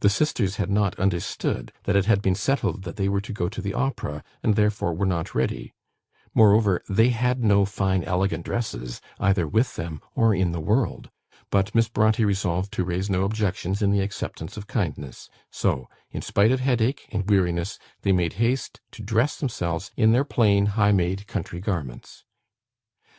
The sisters had not understood that it had been settled that they were to go to the Opera, and therefore were not ready. Moreover, they had no fine elegant dresses either with them, or in the world. But Miss Brontë resolved to raise no objections in the acceptance of kindness. So, in spite of headache and weariness, they made haste to dress themselves in their plain high made country garments.